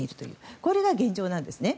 これが現状なんです。